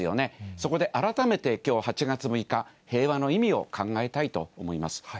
そこで改めて、きょう８月６日、平和の意味を考えたいと思います。